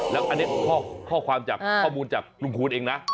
แล้วอันนี้ข้อความจากข้อมูลจากลุงคูณเองนะ